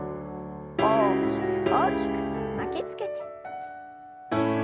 大きく大きく巻きつけて。